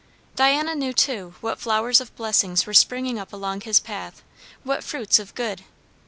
Diana knew, too, what flowers of blessings were springing up along his path; what fruits of good.